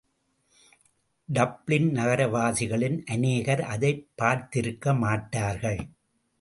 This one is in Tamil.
டப்ளின் நகரவாசிகளின் அநேகர் அதைப் பார்த்திருக்கமாட்டார்கள்.